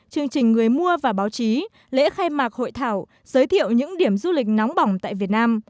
chương trình người mua và báo chí lễ khai mạc hội thảo giới thiệu những điểm du lịch nóng bỏng tại việt nam